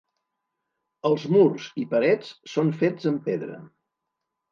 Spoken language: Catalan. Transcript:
Els murs i parets són fets amb pedra.